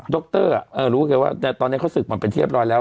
ดรกเตอร์อ่ะเอ่อรู้เข้าใจว่าแต่ตอนนี้เขาศึกหม่อเป็นที่เรียบร้อยแล้ว